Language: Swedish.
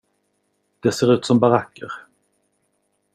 Det ser ut som baracker.